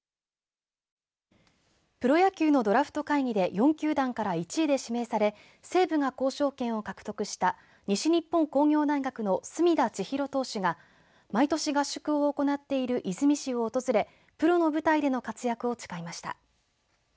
プロ野球のドラフト会議で４球団から１位で指名され西武が交渉権を獲得した西日本工業大学の隅田知一郎投手が毎年、合宿を行っている出水市を訪れ、プロの舞台での活躍を誓いました。